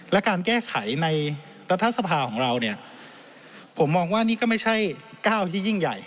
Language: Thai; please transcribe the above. และการแก้ไขในรัฐสภาของเราเนี่ยผมมองว่านี่ก็ไม่ใช่ก้าวที่ยิ่งใหญ่